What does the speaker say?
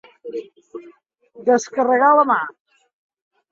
Descarregar la mà.